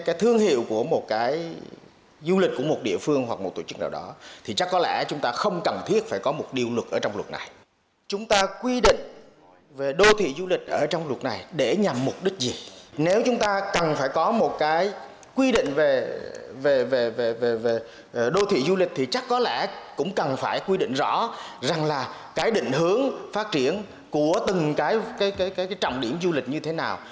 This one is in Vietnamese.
quy định về đô thị du lịch thì chắc có lẽ cũng cần phải quy định rõ rằng là cái định hướng phát triển của từng cái trọng điểm du lịch như thế nào